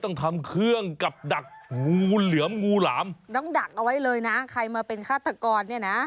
น้องดักเอาไว้เลยนะใครใครมาเป็นฆาตกรเนี่ยนะ